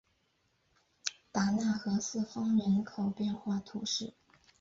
达讷和四风人口变化图示